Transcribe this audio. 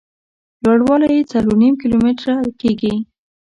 لوړ والی یې څلور نیم کیلومتره کېږي.